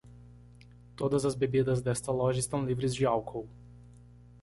Todas as bebidas desta loja estão livres de álcool.